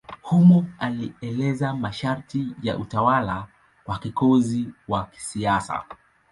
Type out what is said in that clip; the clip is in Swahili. Humo alieleza masharti ya utawala kwa kiongozi wa kisiasa.